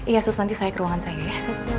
ya sus nanti saya ke ruangan saya ya